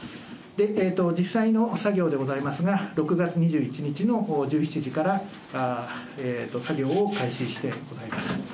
実際の作業でございますが、６月２１日の１７時から作業を開始してございます。